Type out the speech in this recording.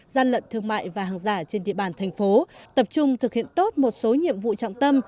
gian lận thương mại và hàng giả trên địa bàn thành phố tập trung thực hiện tốt một số nhiệm vụ trọng tâm